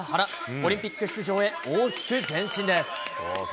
オリンピック出場へ大きく前進です。